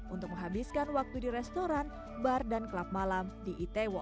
untuk menghabiskan waktu di restoran bar dan klub malam di itaewon